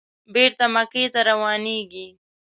بېرته مکې ته روانېږي.